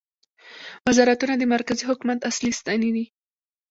وزارتونه د مرکزي حکومت اصلي ستنې دي